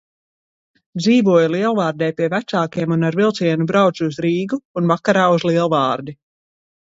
Dzīvoju Lielvārdē pie vecākiem un ar vilcienu braucu uz Rīgu un vakarā uz Lielvārdi.